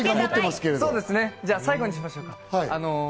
じゃあ最後にしましょうか。